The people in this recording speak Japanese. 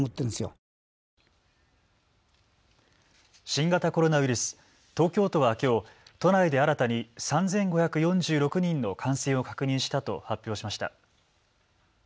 新型コロナウイルス、東京都はきょう都内で新たに３５４６人の感染を確認したと発表しました。